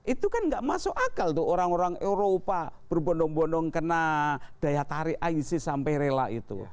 itu kan nggak masuk akal tuh orang orang eropa berbondong bondong kena daya tarik isis sampai rela itu